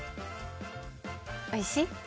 おいしい？